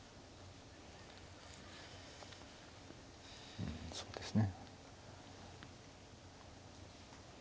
うんそうですね。